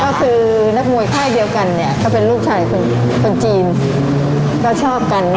ก็คือนักมวยค่ายเดียวกันเนี่ยเขาเป็นลูกชายคนจีนก็ชอบกัน